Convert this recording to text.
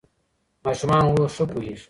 ماشومان اوس ښه پوهېږي.